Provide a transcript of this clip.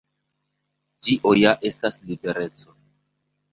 Tio ja estas libereco.